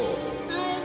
はい。